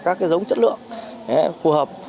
các giống chất lượng phù hợp